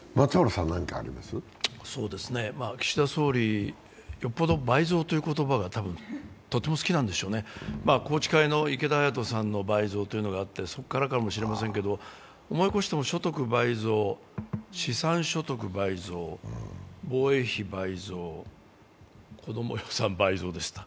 岸田総理、よっぽど倍増という言葉が多分、とっても好きなんでしょうね宏池会の池田勇人さんの倍増というのがあって、そこからかもしれませんけども、思い起こしても所得倍増、資産所得倍増、防衛費倍増、こども予算倍増ですか。